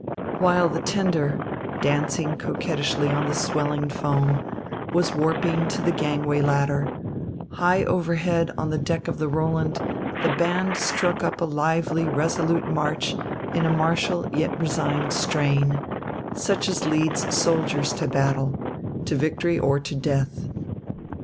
While the tender, dancing coquettishly on the swelling foam, was warping to the gangway ladder, high overhead, on the deck of the Roland, the band struck up a lively, resolute march in a martial yet resigned strain, such as leads soldiers to battle to victory or to death.